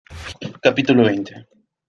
capítulo veinte.